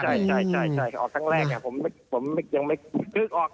ใช่ฮึกออกทะเลมากอยู่